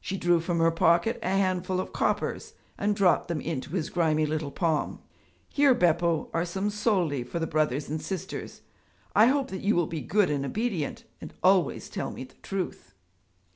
She drew from her pocket a handful of coppers and dropped them into his grimy little palm. 'Here, Beppo, are some soldi for the brothers and sisters. I hope that you will be good and obedient and always tell me the truth.'